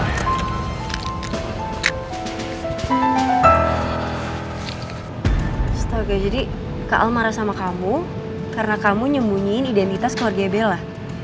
astaga jadi kak al marah sama kamu karena kamu nyembunyiin identitas keluarga bella